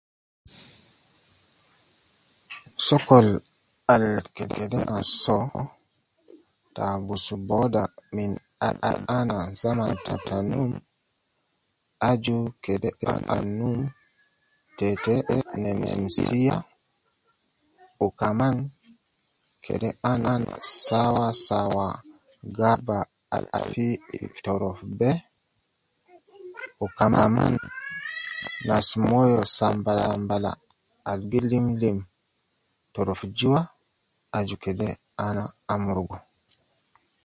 Sokol al ke kede na soo te abus booda min adi ana zaman ta num, aju kede ana num te nemsiya wu kaman kede ana sawa sawa gaba al fi fi torof be wu kaman nas moyo sambala sambala al gi lim lim toroc jua aju kede ana amurugu